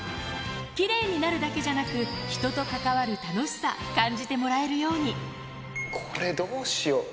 きれいになるだけじゃなく、人と関わる楽しさ、感じてもらえこれ、どうしよう。